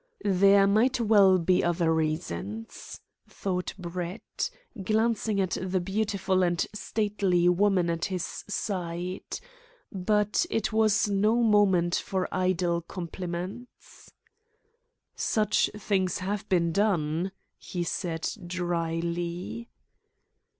"There might well be other reasons," thought Brett, glancing at the beautiful and stately woman by his side. But it was no moment for idle compliments. "Such things have been done," he said drily.